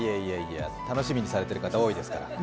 楽しみにしてる方多いですから。